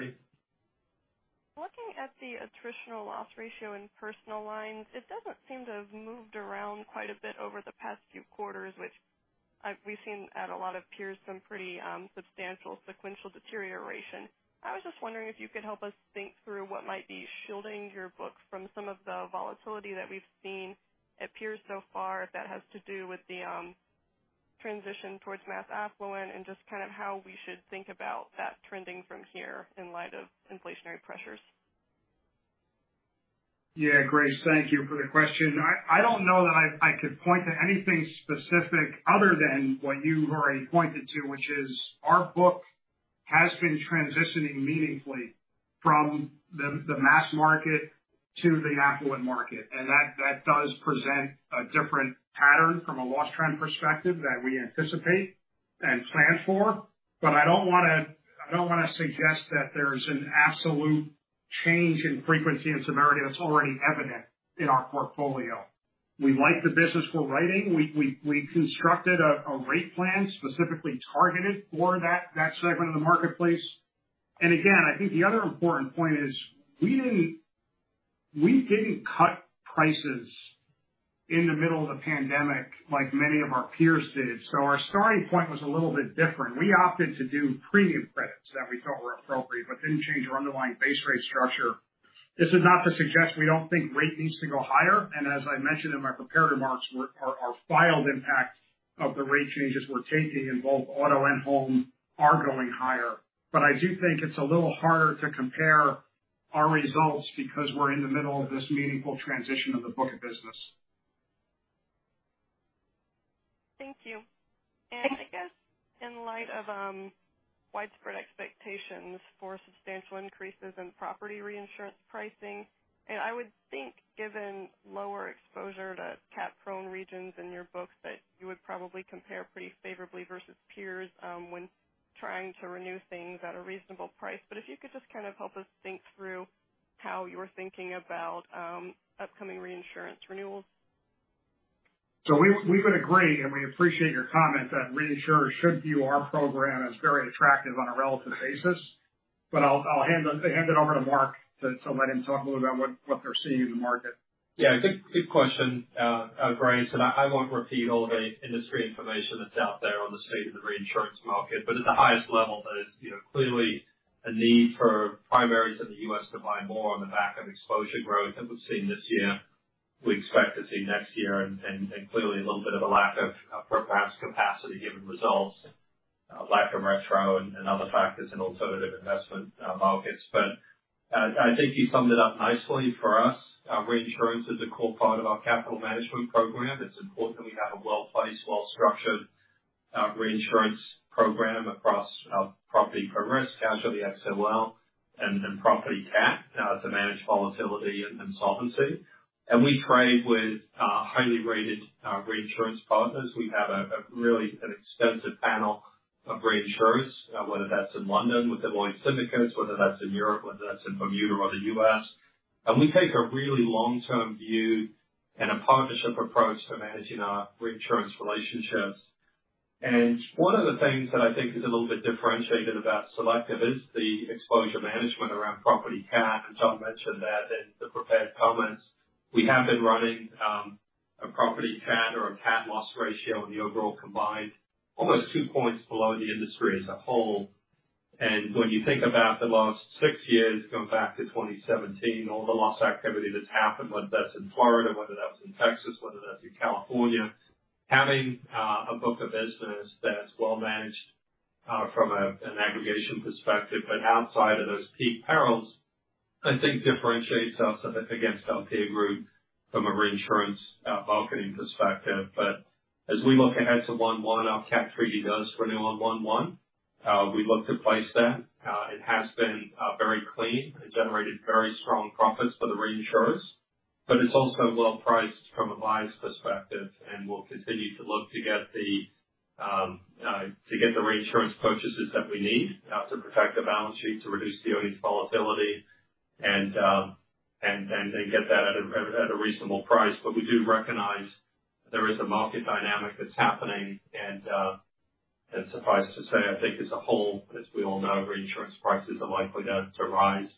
Looking at the attritional loss ratio in personal lines, it doesn't seem to have moved around quite a bit over the past few quarters, which, we've seen at a lot of peers some pretty, substantial sequential deterioration. I was just wondering if you could help us think through what might be shielding your books from some of the volatility that we've seen at peers so far that has to do with the, transition towards mass affluent and just kind of how we should think about that trending from here in light of inflationary pressures? Yeah. Grace, thank you for the question. I don't know that I could point to anything specific other than what you've already pointed to, which is our book has been transitioning meaningfully from the mass market to the affluent market. That does present a different pattern from a loss trend perspective that we anticipate and plan for. I don't wanna suggest that there's an absolute change in frequency and severity that's already evident in our portfolio. We like the business we're writing. We constructed a rate plan specifically targeted for that segment of the marketplace. Again, I think the other important point is we didn't cut prices in the middle of the pandemic like many of our peers did. Our starting point was a little bit different. We opted to do premium credits that we felt were appropriate, but didn't change our underlying base rate structure. This is not to suggest we don't think rate needs to go higher, and as I mentioned in my prepared remarks, our filed impact of the rate changes we're taking in both auto and home are going higher. I do think it's a little harder to compare our results because we're in the middle of this meaningful transition of the book of business. Thank you. I guess in light of widespread expectations for substantial increases in property reinsurance pricing, and I would think given lower exposure to CAT-prone regions in your books, that you would probably compare pretty favorably versus peers, when trying to renew things at a reasonable price. If you could just kind of help us think through how you're thinking about upcoming reinsurance renewals? We would agree, and we appreciate your comment that reinsurers should view our program as very attractive on a relative basis. I'll hand it over to Mark to let him talk a little about what they're seeing in the market. Yeah. Good question, Grace. I won't repeat all the industry information that's out there on the state of the reinsurance market. At the highest level, there's, you know, clearly a need for primaries in the U.S. to buy more on the back of exposure growth that we've seen this year, we expect to see next year. Clearly a little bit of a lack of perhaps capacity given results, lack of retro and other factors in alternative investment markets. I think you summed it up nicely for us. Reinsurance is a core part of our capital management program. It's important we have a well-placed, well-structured reinsurance program across property from risk, casualty, XOL and property CAT to manage volatility and solvency. We trade with highly rated reinsurance partners. We have a really extensive panel of reinsurers, whether that's in London with the Lloyd's syndicates, whether that's in Europe, whether that's in Bermuda or the US. One of the things that I think is a little bit differentiated about Selective is the exposure management around property CAT. Tom mentioned that in the prepared comments. We have been running a property CAT or a CAT loss ratio in the overall combined, almost two points below the industry as a whole. When you think about the last six years, going back to 2017, all the loss activity that's happened, whether that's in Florida, whether that's in Texas, whether that's in California, having a book of business that's well managed from an aggregation perspective, but outside of those peak perils, I think differentiates us a bit against our peer group from a reinsurance balance sheet perspective. As we look ahead to 1/1, our cat treaty does renew on 1/1. We look to place that. It has been very clean and generated very strong profits for the reinsurers, but it's also well priced from a buyer's perspective. We'll continue to look to get the reinsurance purchases that we need to protect the balance sheet, to reduce earnings volatility and get that at a reasonable price. We do recognize there is a market dynamic that's happening and suffice to say, I think as a whole, as we all know, reinsurance prices are likely to rise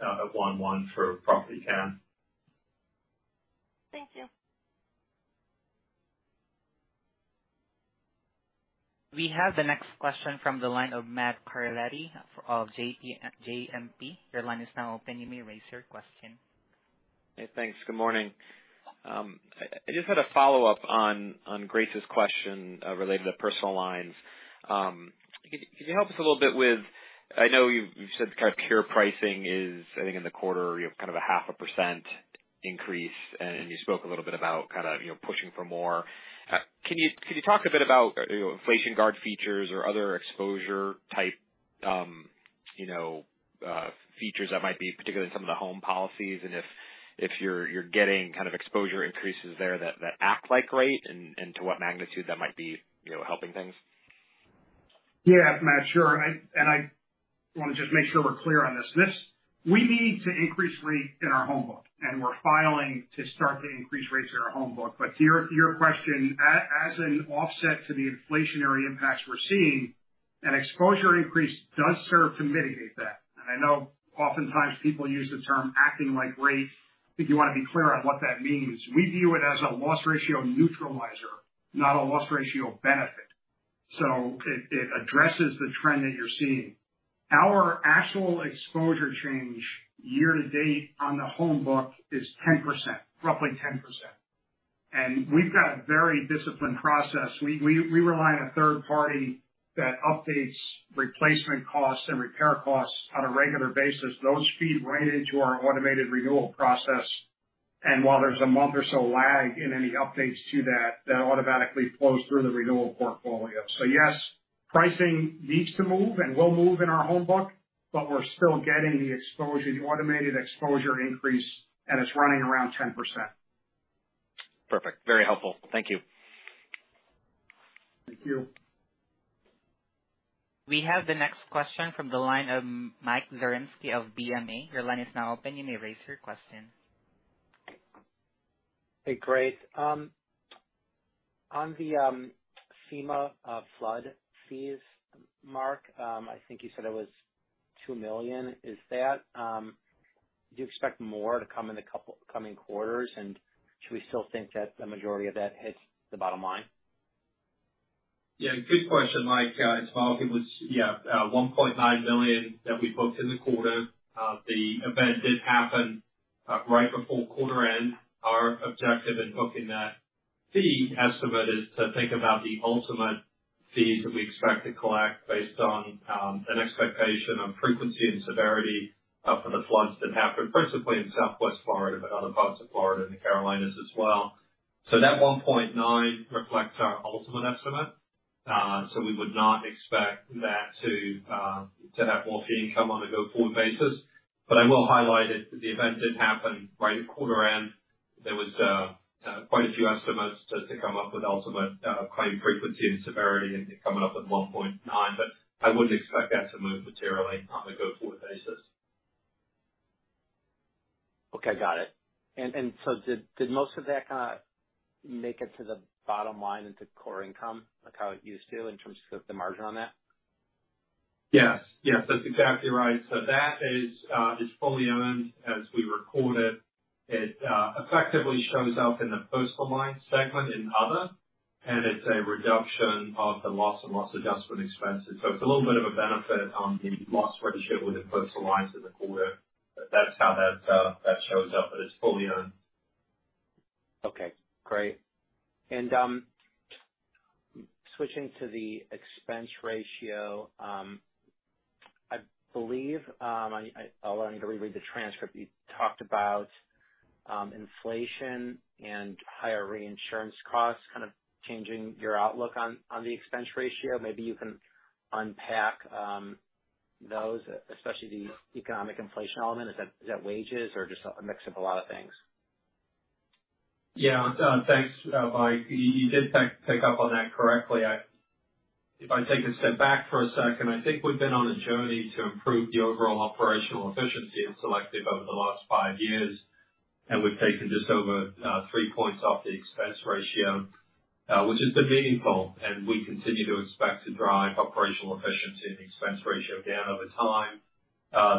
at 11% for property CAT. Thank you. We have the next question from the line of Matt Carletti of JMP. Your line is now open. You may raise your question. Hey. Thanks. Good morning. I just had a follow-up on Grace's question related to personal lines. Could you help us a little bit with, I know you've said kind of pure pricing is I think in the quarter kind of 0.5% increase. You spoke a little bit about kind of, you know, pushing for more. Can you talk a bit about, you know, inflation guard features or other exposure type features that might be particularly in some of the home policies and if you're getting kind of exposure increases there that act like rate and to what magnitude that might be, you know, helping things? Yeah. Matt, sure. I wanna just make sure we're clear on this. We need to increase rates in our home book, and we're filing to start to increase rates in our home book. To your question, as an offset to the inflationary impacts we're seeing, an exposure increase does serve to mitigate that. I know oftentimes people use the term acting like rates. If you want to be clear on what that means, we view it as a loss ratio neutralizer, not a loss ratio benefit. It addresses the trend that you're seeing. Our actual exposure change year-to-date on the home book is 10%, roughly 10%. We've got a very disciplined process. We rely on a third party that updates replacement costs and repair costs on a regular basis. Those feed right into our automated renewal process. While there's a month or so lag in any updates to that automatically flows through the renewal portfolio. Yes, pricing needs to move and will move in our home book, but we're still getting the exposure, the automated exposure increase, and it's running around 10%. Perfect. Very helpful. Thank you. Thank you. We have the next question from the line of Mike Zaremski of BMO. Your line is now open. You may raise your question. Hey, great. On the FEMA flood fees, Mark, I think you said it was $2 million. Is that? Do you expect more to come in the coming quarters, and should we still think that the majority of that hits the bottom line? Yeah, good question, Mike. It's Mark. It was $1.9 million that we booked in the quarter. The event did happen right before quarter end. Our objective in booking that fee estimate is to think about the ultimate fees that we expect to collect based on an expectation on frequency and severity from the floods that happened principally in Southwest Florida, but other parts of Florida and the Carolinas as well. That $1.9 million reflects our ultimate estimate. We would not expect that to have more fee income on a go-forward basis. I will highlight it, the event did happen right at quarter end. There was quite a few estimates to come up with ultimate claim frequency and severity in coming up with $1.9 million, but I wouldn't expect that to move materially on a go-forward basis. Okay. Got it. Did most of that kind of make it to the bottom line into core income, like how it used to in terms of the margin on that? Yes. Yes, that's exactly right. That is fully earned as we record it. It effectively shows up in the Personal Lines segment in other, and it's a reduction of the loss and loss adjustment expenses. It's a little bit of a benefit on the loss ratio with the personal lines in the quarter. That's how that shows up, but it's fully earned. Okay, great. Switching to the expense ratio, I believe I'll have to reread the transcript. You talked about inflation and higher reinsurance costs kind of changing your outlook on the expense ratio. Maybe you can unpack those, especially the economic inflation element. Is that wages or just a mix of a lot of things? Yeah. Thanks, Mike. You did pick up on that correctly. If I take a step back for a second, I think we've been on a journey to improve the overall operational efficiency of Selective over the last five years, and we've taken just over three points off the expense ratio, which has been meaningful, and we continue to expect to drive operational efficiency and expense ratio down over time.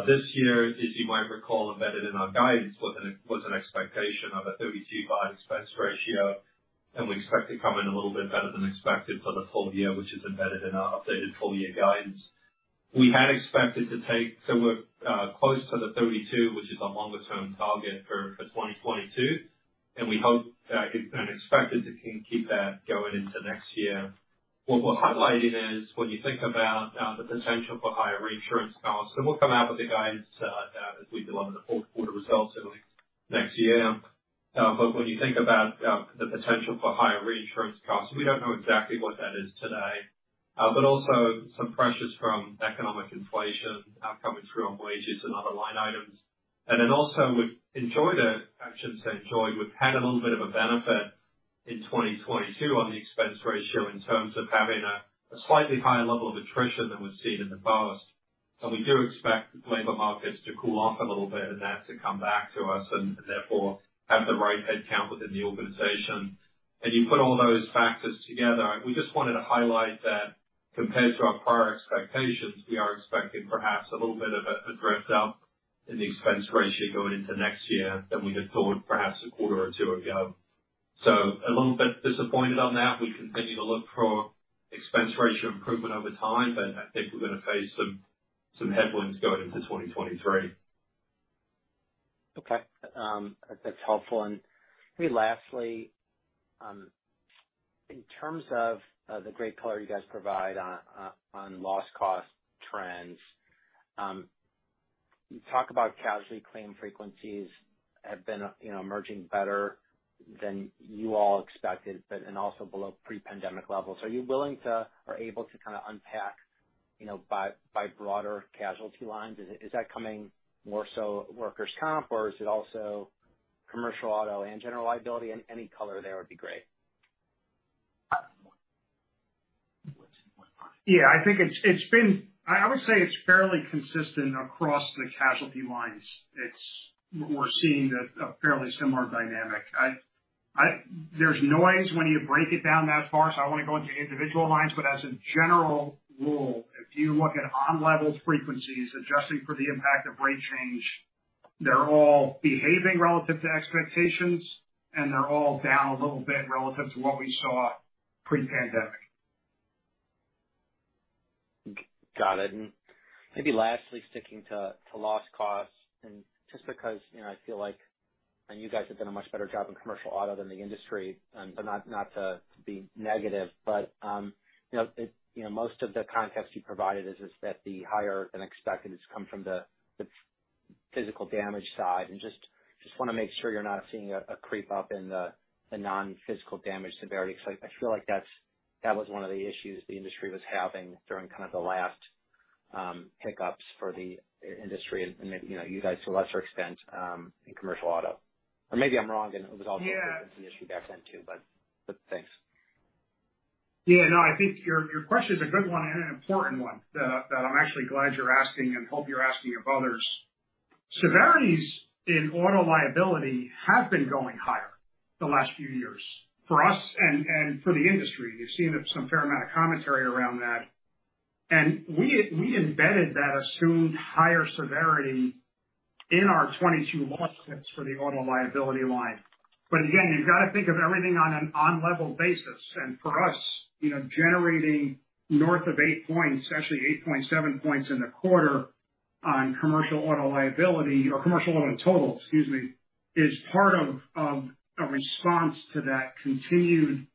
This year, as you might recall, embedded in our guidance was an expectation of a 32-wide expense ratio, and we expect to come in a little bit better than expected for the full year, which is embedded in our updated full year guidance. We had expected to take somewhere close to the 32, which is our longer term target for 2022, and we hope that and expected to keep that going into next year. What we're highlighting is when you think about the potential for higher reinsurance costs, and we'll come out with the guidance as we deliver the fourth quarter results early next year. When you think about the potential for higher reinsurance costs, we don't know exactly what that is today, but also some pressures from economic inflation coming through on wages and other line items. Also, we've had a little bit of a benefit in 2022 on the expense ratio in terms of having a slightly higher level of attrition than we've seen in the past. We do expect labor markets to cool off a little bit and that to come back to us and therefore have the right headcount within the organization. As you put all those factors together, we just wanted to highlight that compared to our prior expectations, we are expecting perhaps a little bit of a drift up in the expense ratio going into next year than we had thought perhaps a quarter or two ago. A little bit disappointed on that. We continue to look for expense ratio improvement over time, but I think we're gonna face some headwinds going into 2023. Okay. That's helpful. Maybe lastly, in terms of the great color you guys provide on loss cost trends, you talk about casualty claim frequencies have been, you know, emerging better than you all expected, but also below pre-pandemic levels. Are you willing to or able to kind of unpack, you know, by broader casualty lines? Is that coming more so workers' comp or is it also commercial auto and general liability? Any color there would be great. Yeah, I think it's been. I would say it's fairly consistent across the casualty lines. We're seeing a fairly similar dynamic. There's noise when you break it down that far, so I won't go into individual lines. As a general rule, if you look at on-level frequencies adjusting for the impact of rate change, they're all behaving relative to expectations and they're all down a little bit relative to what we saw pre-pandemic. Got it. Maybe lastly, sticking to loss costs and just because, you know, I feel like, and you guys have done a much better job in commercial auto than the industry and not to be negative, but you know, most of the context you provided is that the higher than expected has come from the physical damage side. Just want to make sure you're not seeing a creep up in the non-physical damage severity, because I feel like that was one of the issues the industry was having during kind of the last hiccups for the industry. Maybe, you know, you guys to a lesser extent in commercial auto, or maybe I'm wrong and it was also- Yeah. An issue back then, too, but thanks. Yeah, no, I think your question is a good one and an important one that I'm actually glad you're asking and hope you're asking of others. Severities in auto liability have been going higher the last few years for us and for the industry. You've seen some fair amount of commentary around that. We embedded that assumed higher severity in our 2022 loss picks for the auto liability line. Again, you've got to think of everything on an on-level basis. For us, you know, generating north of 8 points, actually 8.7 points in the quarter on commercial auto liability or commercial auto in total, excuse me, is part of a response to that continued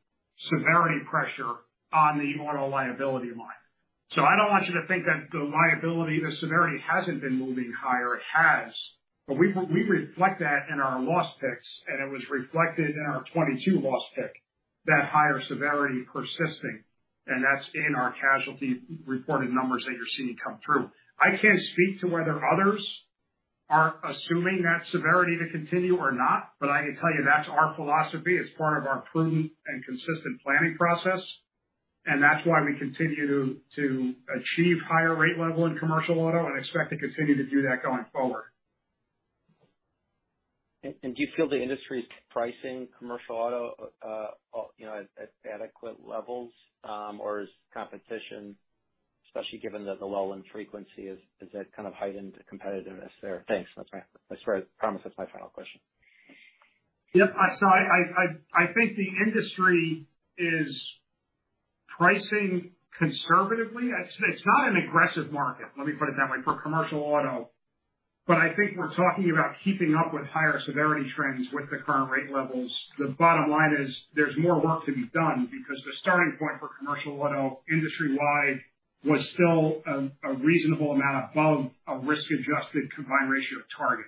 severity pressure on the auto liability line. I don't want you to think that the liability, the severity hasn't been moving higher. It has. We reflect that in our loss picks, and it was reflected in our 2022 loss pick, that higher severity persisting. That's in our casualty reporting numbers that you're seeing come through. I can't speak to whether others are assuming that severity to continue or not, but I can tell you that's our philosophy. It's part of our prudent and consistent planning process, and that's why we continue to achieve higher rate level in commercial auto and expect to continue to do that going forward. Do you feel the industry is pricing commercial auto, you know, at adequate levels? Or is competition, especially given that the low-end frequency is that kind of heightened competitiveness there? Thanks. That's my final question. I swear, I promise that's my final question. Yep. I think the industry is pricing conservatively. It's not an aggressive market, let me put it that way, for commercial auto. I think we're talking about keeping up with higher severity trends with the current rate levels. The bottom line is there's more work to be done because the starting point for commercial auto industry-wide was still a reasonable amount above a risk-adjusted combined ratio target.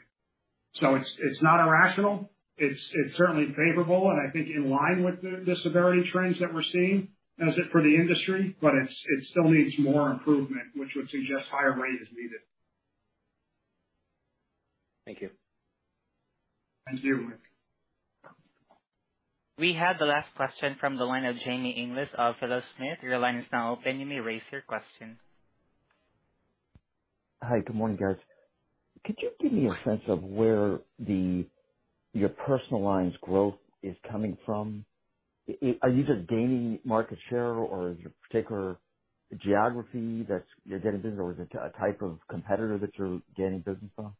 It's not irrational. It's certainly favorable and I think in line with the severity trends that we're seeing as is for the industry, but it still needs more improvement, which would suggest higher rate is needed. Thank you. Thanks to you, Mike. We have the last question from the line of Jamie Inglis of Philo Smith. Your line is now open. You may raise your question. Hi. Good morning, guys. Could you give me a sense of where your personal lines growth is coming from? Are you just gaining market share or is it a particular geography that you're getting business or is it a type of competitor that you're gaining business from?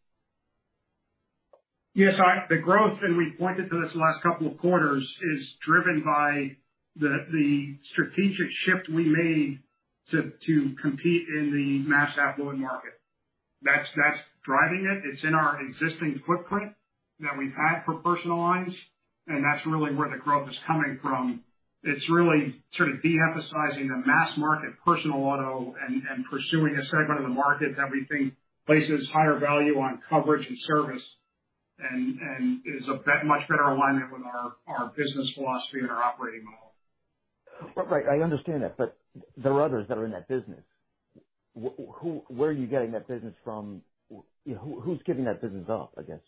Yes. The growth, and we've pointed to this the last couple of quarters, is driven by the strategic shift we made to compete in the mass affluent market. That's driving it. It's in our existing footprint that we've had for personal lines, and that's really where the growth is coming from. It's really sort of de-emphasizing the mass market personal auto and pursuing a segment of the market that we think places higher value on coverage and service and is a much better alignment with our business philosophy and our operating model. Right. I understand that, but there are others that are in that business. Where are you getting that business from? You know, who's giving that business up, I guess?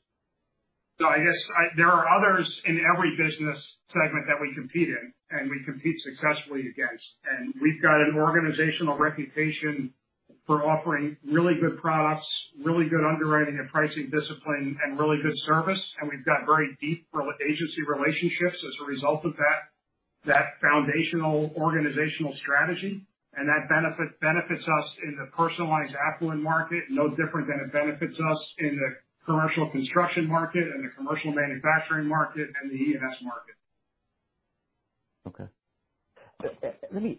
There are others in every business segment that we compete in and we compete successfully against. We've got an organizational reputation for offering really good products, really good underwriting and pricing discipline, and really good service. We've got very deep agency relationships as a result of that foundational organizational strategy. That benefits us in the personalized affluent market, no different than it benefits us in the commercial construction market and the commercial manufacturing market and the E&S market.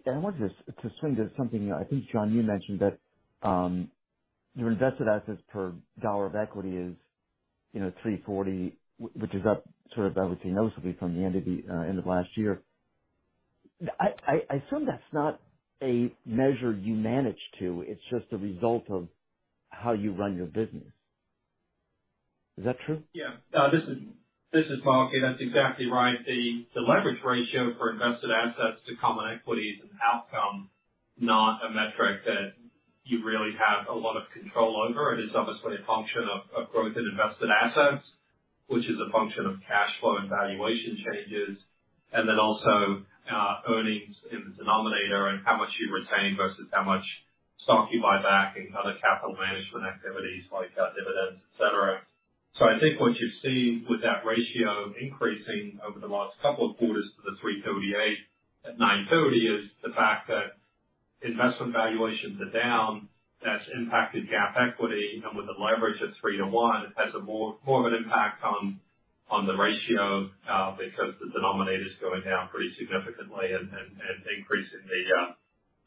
I wanted to swing to something I think, John, you mentioned that your invested assets per dollar of equity is, you know, 3.40, which is up sort of everything noticeably from the end of last year. I assume that's not a measure you manage to, it's just a result of how you run your business. Is that true? This is Mark. That's exactly right. The leverage ratio for invested assets to common equity is an outcome, not a metric that you really have a lot of control over. It is obviously a function of growth in invested assets, which is a function of cash flow and valuation changes, and then also earnings in the denominator and how much you retain versus how much stock you buy back and other capital management activities like dividends, et cetera. I think what you've seen with that ratio increasing over the last couple of quarters to the 3.38 at 9/30 is the fact that investment valuations are down. That's impacted GAAP equity, and with the leverage at 3:1, it has more of an impact on the ratio, because the denominator is going down pretty significantly and increasing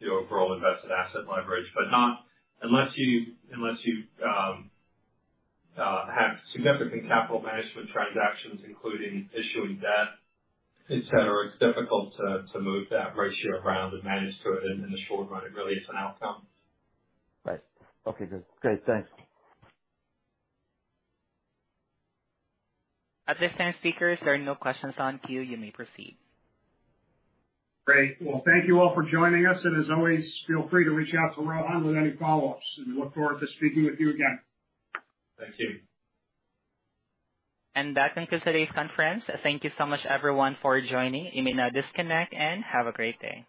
the overall invested asset leverage. Not unless you have significant capital management transactions, including issuing debt, et cetera, it's difficult to move that ratio around and manage to it in the short run. It really is an outcome. Right. Okay, good. Great. Thanks. At this time, speakers, there are no questions in queue. You may proceed. Great. Well, thank you all for joining us. As always, feel free to reach out to Rohan Pai with any follow-ups, and we look forward to speaking with you again. Thank you. That concludes today's conference. Thank you so much everyone for joining. You may now disconnect and have a great day.